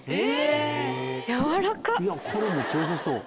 いやこれむっちゃよさそう。